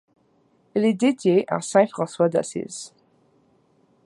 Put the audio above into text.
Elle est dédiée à saint François d'Assise.